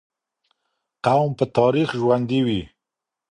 قوم په تاريخ ژوندي وي.